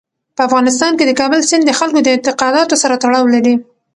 په افغانستان کې د کابل سیند د خلکو د اعتقاداتو سره تړاو لري.